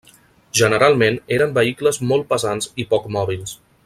Generalment eren vehicles molt pesants i poc mòbils.